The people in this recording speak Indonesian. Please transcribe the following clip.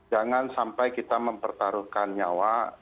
jangan sampai kita mempertaruhkan nyawa